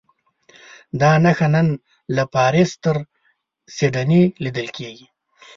دا نښه نن له پاریس تر سیډني لیدل کېږي.